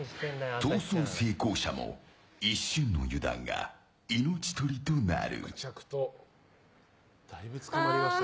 逃走成功者も一瞬の油断が命取りとなる。